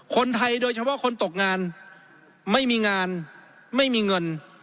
โดยเฉพาะคนตกงานไม่มีงานไม่มีเงิน